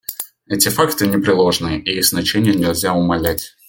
Эти факты непреложны, и их значение нельзя умалять.